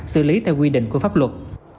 xử lý theo quy định của pháp luật